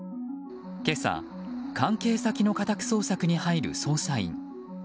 今朝、関係先の家宅捜索に入る捜査員。